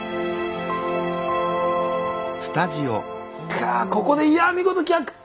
がここでいやぁ見事逆転！